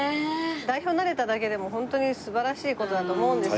代表になれただけでもホントに素晴らしい事だと思うんですけど。